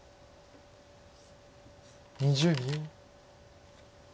２０秒。